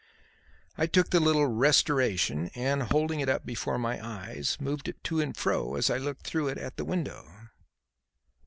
I took the little "restoration," and, holding it up before my eyes, moved it to and fro as I looked through it at the window.